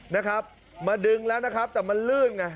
นะครับมาดึงแล้วนะครับแต่มันลื่นไง